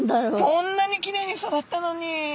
こんなにきれいに育ったのに。